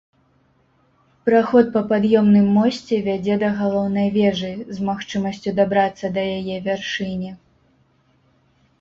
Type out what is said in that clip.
Праход па пад'ёмным мосце вядзе да галоўнай вежы, з магчымасцю дабрацца да яе вяршыні.